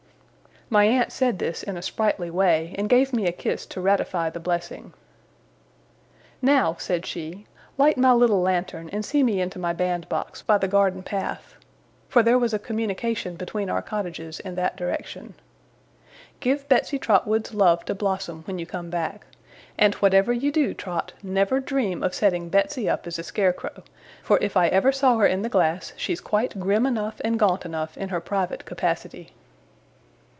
My aunt said this in a sprightly way, and gave me a kiss to ratify the blessing. 'Now,' said she, 'light my little lantern, and see me into my bandbox by the garden path'; for there was a communication between our cottages in that direction. 'Give Betsey Trotwood's love to Blossom, when you come back; and whatever you do, Trot, never dream of setting Betsey up as a scarecrow, for if I ever saw her in the glass, she's quite grim enough and gaunt enough in her private capacity!